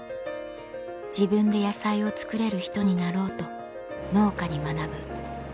自分で野菜を作れる人になろうと農家に学ぶ